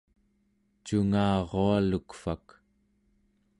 cungaralukvak